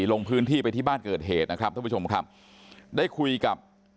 ลงพื้นที่ไปที่บ้านเกิดเหตุนะครับท่านผู้ชมครับได้คุยกับ